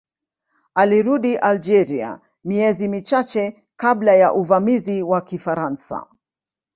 Alirudi Algeria miezi michache kabla ya uvamizi wa Kifaransa.